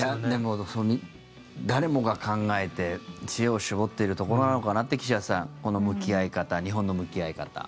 でも、誰もが考えて知恵を絞ってるところなのかなと岸田さん、この向き合い方日本の向き合い方。